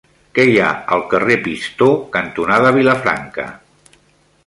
Què hi ha al carrer Pistó cantonada Vilafranca?